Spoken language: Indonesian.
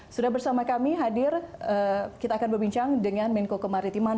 sudah bersama kami hadir kita akan berbincang dengan menko kemaritiman